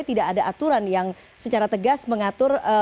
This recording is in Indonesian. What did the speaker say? tidak ada aturan yang secara tegas mengatur